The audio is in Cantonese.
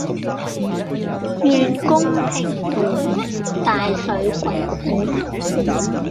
願公平如大水滾滾